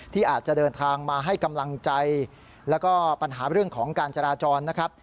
ที่อาจจะเดินทางมาให้กำลังใจแล้วก็ปัญหาเรื่องของการจราจรนะครับ